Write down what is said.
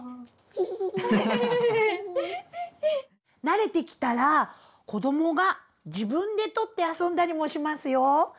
慣れてきたら子どもが自分でとって遊んだりもしますよ！